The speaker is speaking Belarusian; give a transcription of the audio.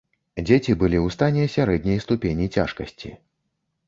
Дзеці былі ў стане сярэдняй ступені цяжкасці.